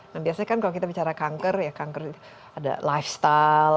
nah biasanya kan kalau kita bicara kanker ya kanker itu ada lifestyle